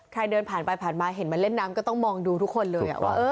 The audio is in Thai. เดินผ่านไปผ่านมาเห็นมาเล่นน้ำก็ต้องมองดูทุกคนเลยว่า